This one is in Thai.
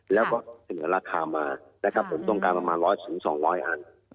แล้วก็เสนอราคามาต้องการประมาณ๑๐๐๒๐๐อัน